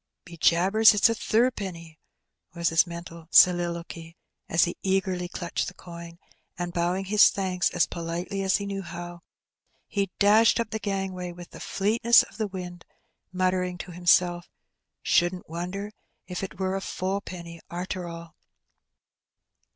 '^ Be jabbers ! it's a thrip'ny,'' was his mental soliloquy, as he eagerly clutched the coin; and bowing his thanks as politely as he knew how, he dashed up the gangway with the fleetness of the wind, muttering to himself, '^Shouldn't wonder if't was a fo'penny, arter all.'